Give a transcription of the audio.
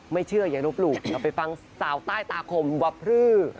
ไม่เชื่ออย่าลบหลู่เราไปฟังสาวใต้ตาคมว่าพลือ